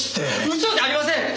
嘘じゃありません！